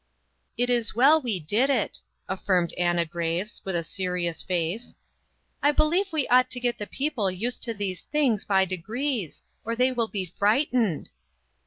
" It is well we did it," affirmed Anna Graves with serious face. " I believe we ought to get the people used to these things by degrees or they will be frightened."